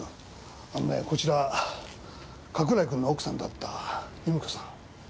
あのねこちら加倉井君の奥さんだった由美子さん。